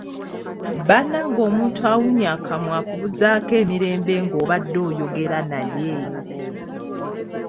Bannange omuntu awunnya akamwa akubuuzaako emirembe ng'obade oyogera naye!